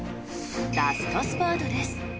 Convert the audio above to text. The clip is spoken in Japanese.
ラストスパートです。